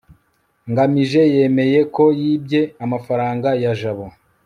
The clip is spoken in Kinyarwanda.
ngamije yemeye ko yibye amafaranga ya jabo